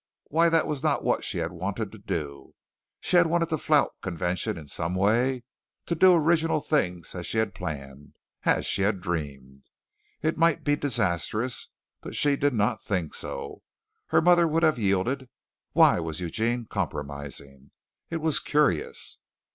Why that was not what she had wanted to do. She had wanted to flout convention in some way; to do original things as she had planned, as she had dreamed. It might be disastrous, but she did not think so. Her mother would have yielded. Why was Eugene compromising? It was curious.